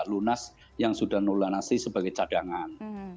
lunas yang sudah nolunasi sebagai cadangan